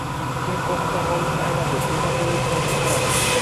Keyin, qo‘mita hovlisini aylandi. Bino tevarak-boshini qaradi.